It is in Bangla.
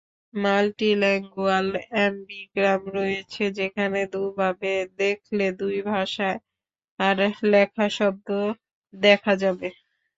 মাল্টিল্যাঙ্গুয়াল অ্যাম্বিগ্রাম রয়েছে, যেখানে দুভাবে দেখলে দুই ভাষায় লেখা শব্দ দেখা যাবে।